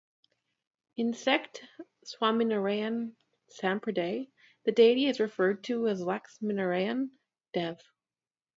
In sect Swaminarayan Sampraday, the deity is referred to as "Laxminarayan Dev".